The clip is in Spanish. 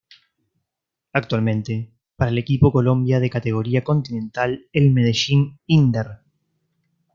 Actualmente para el equipo colombia de categoría Continental el Medellín-Inder.